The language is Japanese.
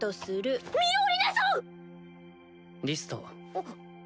あっ。